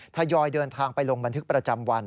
ทยอยเดินทางไปลงบันทึกประจำวัน